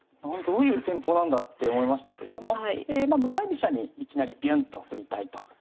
どういう戦法なんだって思いましたけれども向かい飛車にいきなりビュンと振りたいと。